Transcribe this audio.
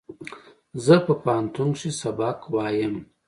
زه په پوهنتون کښې سبق وایم